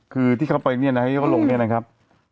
คือที่เขาไปเนี่ยนะที่เขาลงเนี่ยนะครับ